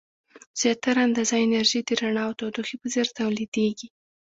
زیاتره اندازه انرژي د رڼا او تودوخې په څیر تولیدیږي.